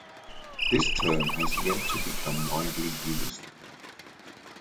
This term has yet to become widely used.